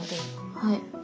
はい。